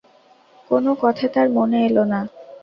কোনো কথা তার মনে এলো না।